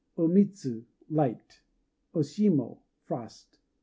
O Mitsu "Light." O Shimo "Frost."